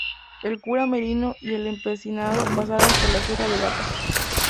El cura Merino y el Empecinado pasaron por la Sierra de Gata.